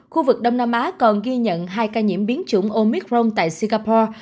khu vực đông nam á còn ghi nhận hai ca nhiễm biến chủng omicron tại singapore